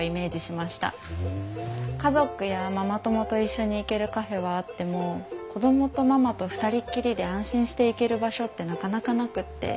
家族やママ友と一緒に行けるカフェはあっても子供とママと二人っきりで安心して行ける場所ってなかなかなくって。